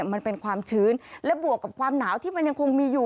มันเป็นความชื้นและบวกกับความหนาวที่มันยังคงมีอยู่